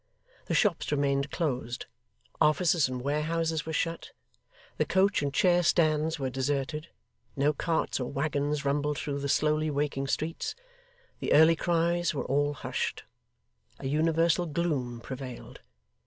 The shops remained closed, offices and warehouses were shut, the coach and chair stands were deserted, no carts or waggons rumbled through the slowly waking streets, the early cries were all hushed; a universal gloom prevailed.